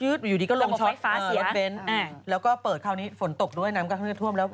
ยืดอยู่ดีก็ลงช็อตแล้วก็เปิดคราวนี้ฝนตกด้วยน้ำกลับข้างนี้ท่วมแล้ว